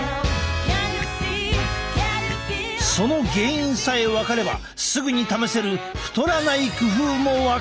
その原因さえ分かればすぐに試せる太らない工夫も分かってしまう！